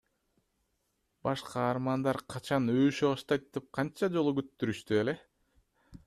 Баш каармандар качан өбүшө баштайт деп канча жолу күттүрүштү эле?